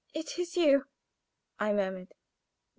"It is you!" I murmured.